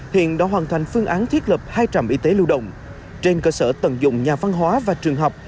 hiện đã hoàn thành phương án thiết lập hai trạm y tế lưu động trên cơ sở tận dụng nhà văn hóa và trường học